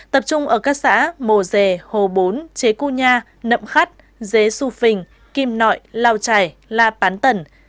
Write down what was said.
tập trung ở các xã mồ dề hồ bốn chế cua nha nậm khắt dế xu phình kim nội lao trải la bán tần